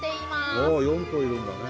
ああ４頭いるんだね。